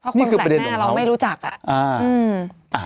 เพราะคนแปลกหน้าเราไม่รู้จักอ่ะ